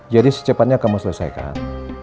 jadi secepatnya kamu selesaikan